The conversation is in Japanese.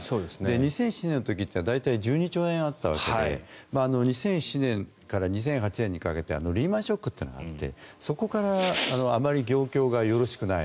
２００７年の時って大体１２兆円あったわけで２００７年から２００８年にかけてリーマン・ショックというのがあってそこからあまり業況がよろしくない。